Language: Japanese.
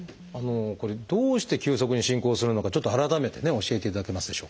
これどうして急速に進行するのかちょっと改めてね教えていただけますでしょうか？